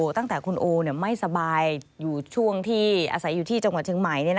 ตั้งแต่คุณโอไม่สบายอาศัยอยู่ที่จังหวัดเชียงใหม่